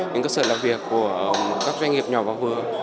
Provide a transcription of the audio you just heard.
đến cơ sở làm việc của các doanh nghiệp nhỏ và vừa